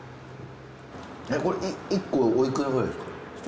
これ１個おいくらくらいですか？